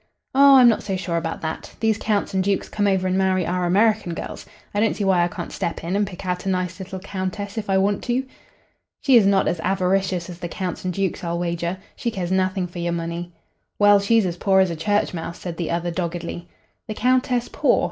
"Oh, I'm not so sure about that. These counts and dukes come over and marry our American girls. I don't see why I can't step in and pick out a nice little Countess if I want to." "She is not as avaricious as the counts and dukes, I'll wager. She cares nothing for your money." "Well, she's as poor as a church mouse," said the other, doggedly. "The Countess poor?